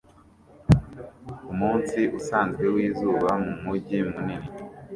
Umunsi usanzwe wizuba mumujyi munini